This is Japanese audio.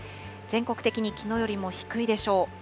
全国的にきのうよりも低いでしょう。